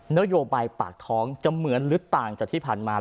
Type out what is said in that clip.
นโยบายปากท้องจะเหมือนหรือต่างจากที่ผ่านมา